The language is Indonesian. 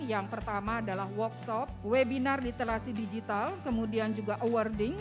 yang pertama adalah workshop webinar literasi digital kemudian juga awarding